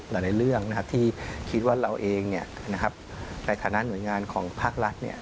หลายเรื่องที่คิดว่าเราเองในฐานะหน่วยงานของภาครัฐ